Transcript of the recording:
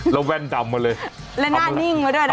แล้วแว่นดำมาเลยแล้วหน้านิ่งมาด้วยนะ